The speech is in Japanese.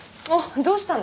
どうしたの？